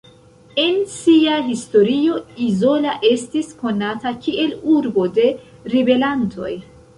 En sia historio Izola estis konata kiel urbo de ribelantoj.